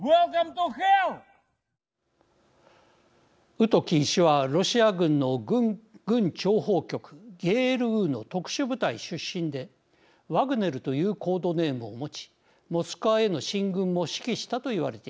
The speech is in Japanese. ウトキン氏はロシア軍の軍諜報局ＧＲＵの特殊部隊出身でワグネルというコードネームを持ちモスクワへの進軍も指揮したといわれています。